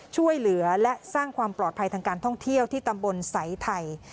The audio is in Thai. ช่วยเหลือและสร้างความปลอดภัยทางการท่องเที่ยวที่ตำบลสายไทย